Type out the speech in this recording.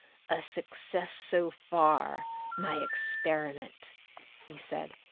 "A success so far, my experiment," he said.